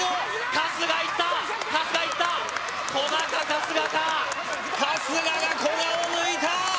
春日いった春日いった古賀か春日か春日が古賀を抜いた！